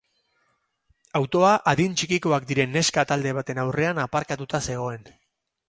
Autoa adin txikikoak diren neska talde baten aurrean aparkatuta zegoen.